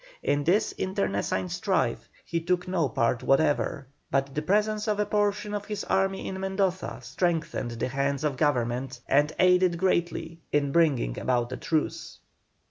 In this internecine strife he took no part whatever, but the presence of a portion of his army in Mendoza strengthened the hands of Government and aided greatly in bringing about a truce.